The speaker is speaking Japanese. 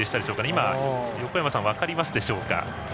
今、横山さん分かりますでしょうか？